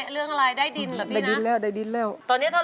ร้องได้ให้ล้าน